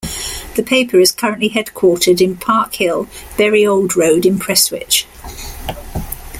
The paper is currently headquartered in Park Hill, Bury Old Road in Prestwich.